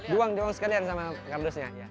duang doang sekalian sama kabusnya